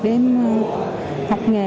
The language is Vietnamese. để em học nghề